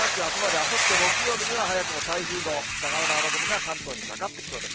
あさって木曜日には早くも台風の北側の雨雲が関東にかかってきそうです。